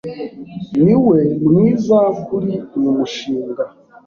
Niwe mwiza kuri uyu mushinga.